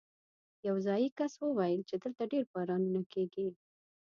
یو ځايي کس وویل چې دلته ډېر بارانونه کېږي.